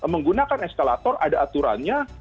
menggunakan eskalator ada aturannya